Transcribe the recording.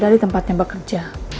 dari tempat yang bekerja